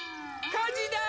・かじだ！